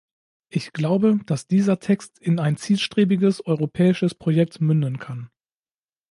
Ich glaube, dass dieser Text in ein zielstrebiges europäisches Projekt münden kann.